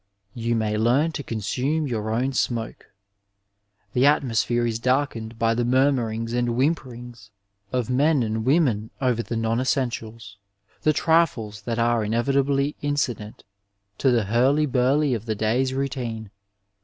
You may leam to consume your own smohe. The atmosphere is darkened by the murmurings and whihiperings of men and women over the non essentials, the trifles that are inevitably incident to the hurly burly of the day's routine.